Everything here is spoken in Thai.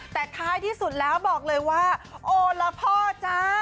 แต่ท้ายที่สุดแล้วบอกเลยว่าโอละพ่อจ้า